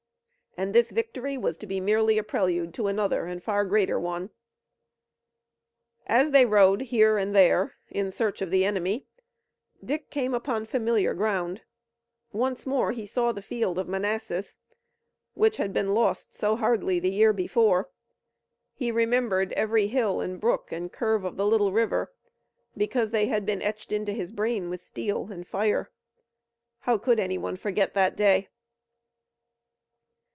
And this victory was to be merely a prelude to another and far greater one. As they rode here and there in search of the enemy, Dick came upon familiar ground. Once more he saw the field of Manassas which had been lost so hardly the year before. He remembered every hill and brook and curve of the little river, because they had been etched into his brain with steel and fire. How could anyone forget that day?